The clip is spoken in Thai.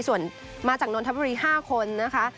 ส่วนมาจากนนทบุรี๕คนนะคะ